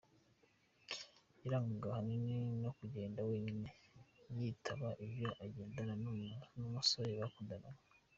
Yarangwaga ahanini no kugenda wenyine, bitaba ibyo akagendana n’umusore bakundanaga.